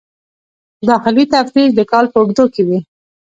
داخلي تفتیش د کال په اوږدو کې وي.